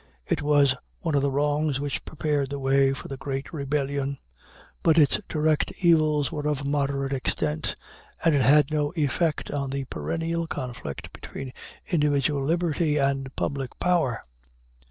It was one of the wrongs which prepared the way for the great rebellion; but its direct evils were of moderate extent, and it had no effect on the perennial conflict between individual liberty and public power.